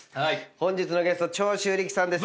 本日のゲスト長州力さんです。